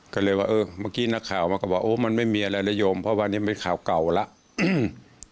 ก็เลยว่าเออเมื่อกี้นักข่าวมันก็บอกโอ้มันไม่มีอะไรนะโยมเพราะว่านี่เป็นข่าวเก่าแล้วอืม